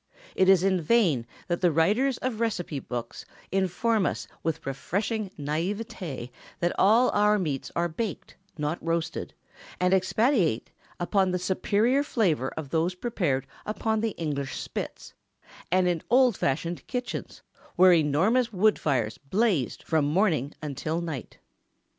It is in vain that the writers of receipt books inform us with refreshing naïveté that all our meats are baked, not roasted, and expatiate upon the superior flavor of those prepared upon the English spits and in old fashioned kitchens, where enormous wood fires blazed from morning until night.